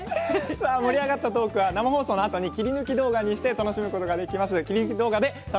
盛り上がったトークは放送のあとに切り抜き動画で楽しむことができます。